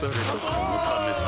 このためさ